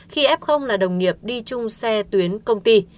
khi f là đồng nghiệp đi chung xe tuyến công ty